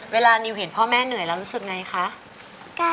เวลานิวเห็นพ่อแม่เหนื่อยแล้วรู้สึกไงคะ